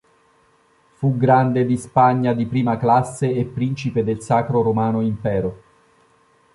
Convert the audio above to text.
Fu grande di Spagna di prima classe e Principe del Sacro Romano Impero.